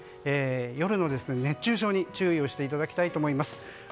夜の熱中症に注意をしていただきたいと思います。